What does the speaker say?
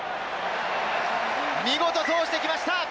見事、通してきました。